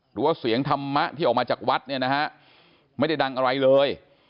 หรือว่าเสียงธรรมะที่ออกมาจากวัดเนี่ยนะฮะไม่ได้ดังอะไรเลย